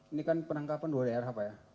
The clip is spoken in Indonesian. ini kan penangkapan dua daerah pak ya